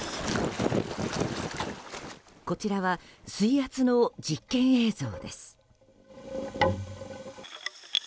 こちらは水圧の実験映像です。